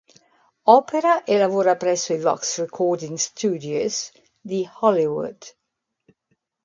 Opera e lavora presso i Vox Recording Studios di Hollywood.